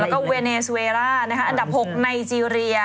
แล้วก็เวเนสเวร่าอันดับ๖ไนเจรีย